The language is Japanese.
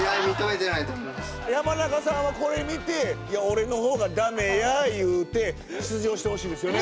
山中さんはこれ見て「いや俺の方がだめや」言うて出場してほしいですよね。